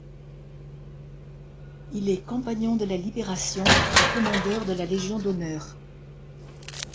Il est Compagnon de la Libération et commandeur de la Légion d'honneur.